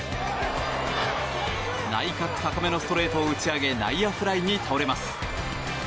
内角高めのストレートを打ち上げ内野フライに倒れます。